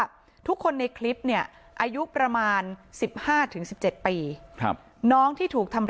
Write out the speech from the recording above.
ว่าทุกคนในคลิปเนี่ยอายุประมาณ๑๕๑๗ปีน้องที่ถูกทำ